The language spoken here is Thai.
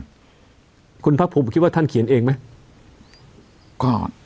อศัฏริย์คุณพรรคภูมิคิดว่าท่านเขียนเองไหม